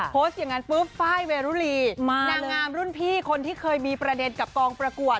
โพสต์อย่างนั้นปุ๊บไฟล์เวรุลีนางงามรุ่นพี่คนที่เคยมีประเด็นกับกองประกวด